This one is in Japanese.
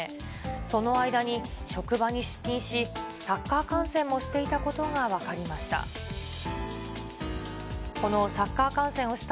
その間に職場に出勤し、サッカー観戦もしていたことが分かりました。